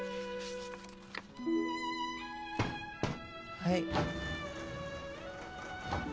・はい。